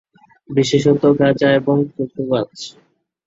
বিশেষত গাঁজা এবং কোকো গাছ।